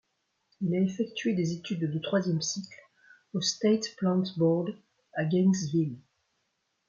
Il a effectué des études de troisième cycle au State Plant Board à Gainesville.